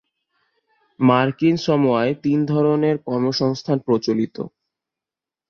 মার্কিন সামোয়ায় তিন ধরনের কর্মসংস্থান প্রচলিত।